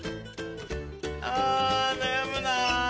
あなやむな。